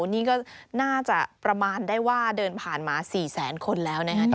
นี่ก็น่าจะประมาณได้ว่าเดินผ่านมา๔แสนคนแล้วนะครับ